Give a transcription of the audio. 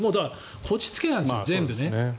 こじつけなんですよ、全部。